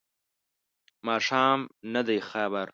ماښام نه دی خبر